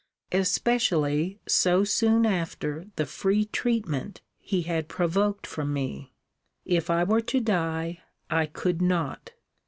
especially so soon after the free treatment he had provoked from me. If I were to die, I could not.